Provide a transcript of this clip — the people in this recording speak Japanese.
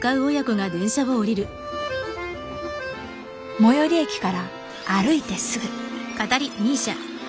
最寄り駅から歩いてすぐ。